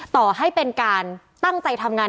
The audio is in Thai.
ต่อให้เป็นการตั้งใจทำงาน